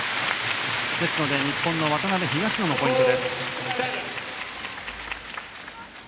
ですので日本の渡辺、東野のポイント。